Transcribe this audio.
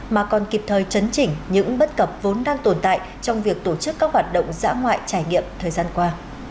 mà còn kịp thời chấn chỉnh những bất cập vốn đang tồn tại trong việc tổ chức các hoạt động dã ngoại trải nghiệm thời gian qua